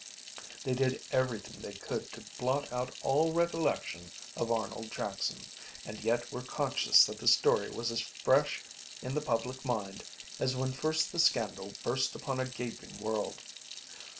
They did everything they could to blot out all recollection of Arnold Jackson and yet were conscious that the story was as fresh in the public mind as when first the scandal burst upon a gaping world.